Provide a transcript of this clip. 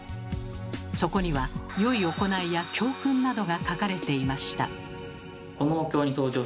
そこには「よい行い」や「教訓」などが書かれていました。